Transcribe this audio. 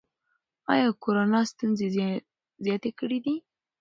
ایا کورونا ستونزې زیاتې کړي دي؟